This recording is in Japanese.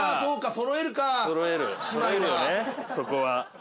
そこは。